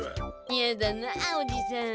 いやだなおじさん。